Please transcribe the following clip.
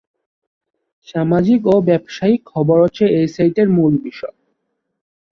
সামাজিক ও ব্যবসায়িক খবর হচ্ছে এই সাইটের মূল বিষয়।